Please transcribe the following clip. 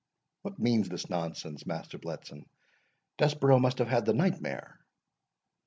"What means this nonsense, Master Bletson?—Desborough must have had the nightmare."